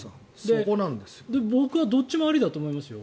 僕はどっちもありだと思いますよ。